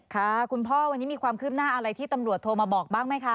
ค่ะคุณพ่อวันนี้มีความคืบหน้าอะไรที่ตำรวจโทรมาบอกบ้างไหมคะ